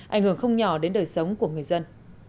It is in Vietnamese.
ảnh hưởng không nhỏ đến đời sống của người dân